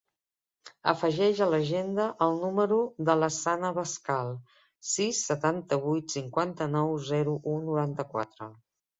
Afegeix a l'agenda el número de l'Hassan Abascal: sis, setanta-vuit, cinquanta-nou, zero, u, noranta-quatre.